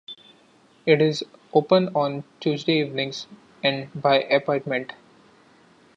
It is open on Tuesday evenings and by appointment.